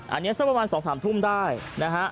อันนี้สักประมาณ๒๓ทุ่มได้นะฮะ